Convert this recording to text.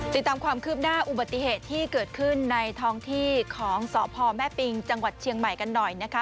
ติดตามความคืบหน้าอุบัติเหตุที่เกิดขึ้นในท้องที่ของสพแม่ปิงจังหวัดเชียงใหม่กันหน่อยนะคะ